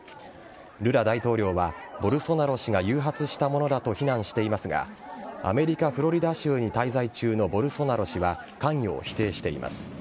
ルラ大統領はボルソナロ氏が誘発したものだと非難していますが、アメリカ・フロリダ州に滞在中のボルソナロ氏は関与を否定しています。